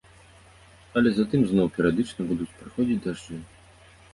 Але затым зноў перыядычна будуць праходзіць дажджы.